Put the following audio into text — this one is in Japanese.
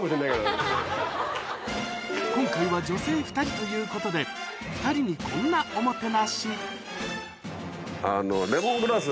今回は女性２人ということで２人にこんなおもてなしレモングラス